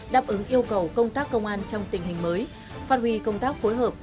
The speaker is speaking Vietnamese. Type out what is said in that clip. đáp ứng yêu cầu công tác công an trong tình hình mới phát huy công tác phối hợp